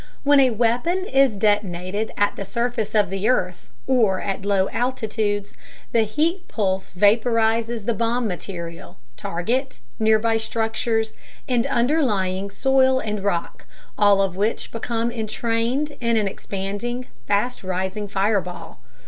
When a weapon is detonated at the surface of the earth or at low altitudes, the heat pulse vaporizes the bomb material, target, nearby structures, and underlying soil and rock, all of which become entrained in an expanding, fast rising fireball.